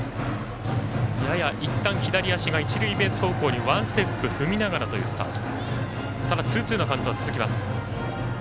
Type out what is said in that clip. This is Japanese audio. いったん、左足が一塁ベース方向にワンステップ踏みながらというスタート。